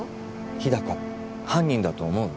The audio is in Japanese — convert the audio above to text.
日高犯人だと思う？